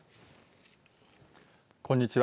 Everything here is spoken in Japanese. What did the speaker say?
こんにちは。